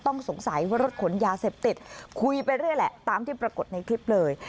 ต้องสงสัยว่ารถขนยาเสพติดคุยไปเรื่อยแหละตามที่ปรากฏในคลิปเลย